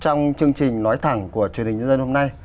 trong chương trình nói thẳng của truyền hình nhân dân hôm nay